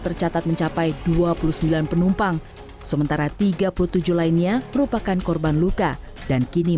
tercatat mencapai dua puluh sembilan penumpang sementara tiga puluh tujuh lainnya merupakan korban luka dan kini